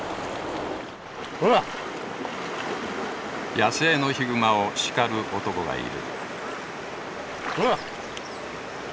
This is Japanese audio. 野生のヒグマを叱る男がいる。